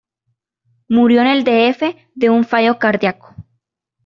Murió en el D. F. de un fallo cardiaco.